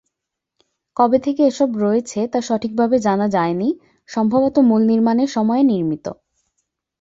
কবে থেকে এসব রয়েছে তা সঠিকভাবে জানা যায়নি, সম্ভবত মূল নির্মাণের সময়ে নির্মিত।